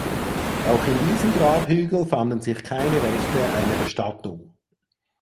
Auch in diesem Grabhügel fanden sich keine Reste einer Bestattung.